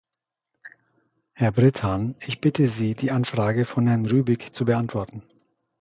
Herr Brittan, ich bitte Sie, die Anfrage von Herrn Rübig zu beantworten.